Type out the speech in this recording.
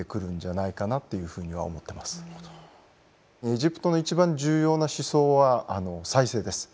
エジプトの一番重要な思想は再生です。